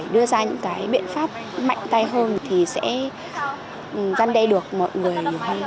đưa ra những biện pháp mạnh tay hơn thì sẽ gian đầy được mọi người